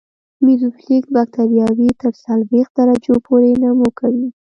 میزوفیلیک بکټریاوې تر څلوېښت درجو پورې نمو کوي.